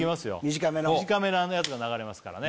短めのやつが流れますからね